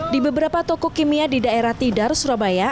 di beberapa toko kimia di daerah tidar surabaya